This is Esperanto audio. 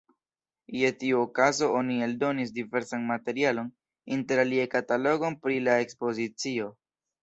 Je tiu okazo oni eldonis diversan materialon, interalie katalogon pri la ekspozicio.